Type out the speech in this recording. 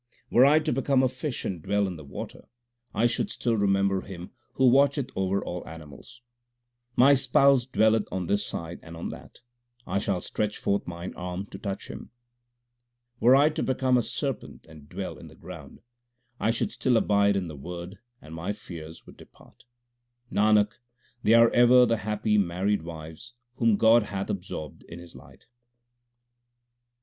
Were I to become a fish and dwell in the water, I should still remember Him who watcheth over all animals. My Spouse dwelleth on this side and on that ; I shall stretch forth mine arm to touch Him. Were I to become a serpent and dwell in the ground, I should still abide in the Word and my fears would depart. Nanak, they are ever the happy married wives whom God hath absorbed in His light.